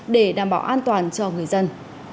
để đảm bảo an toàn cho người dân